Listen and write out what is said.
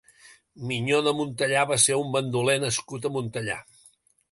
Minyó de Montellà va ser un bandoler nascut a Montellà.